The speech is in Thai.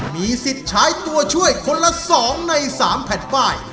มีสิทธิ์ใช้ตัวช่วยคนละ๒ใน๓แผ่นป้าย